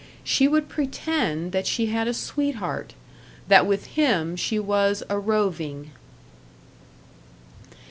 She would pretend that she had a sweetheart, that with him she was a roving.